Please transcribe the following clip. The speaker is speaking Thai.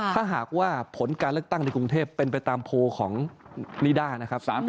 ถ้าหากว่าผลการเลือกตั้งในกรุงเทพเป็นไปตามโพลของนิด้านะครับ